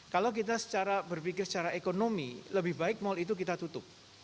kalau kita secara berpikir secara ekonomi lebih baik mal itu kita tutup